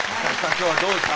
今日はどうですか？